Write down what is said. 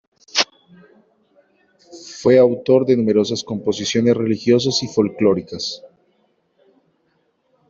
Fue autor de numerosas composiciones religiosas y folclóricas.